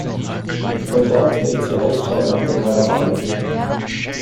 Von dort hält sie Ausschau nach der Karawane.